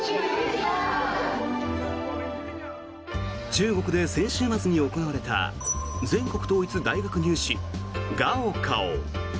中国で先週末に行われた全国統一大学入試、高考。